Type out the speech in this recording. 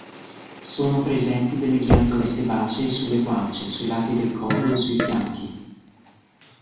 Sono presenti delle ghiandole sebacee sulle guance, sui lati del collo e sui fianchi.